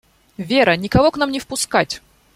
Вера, никого к нам не впускать!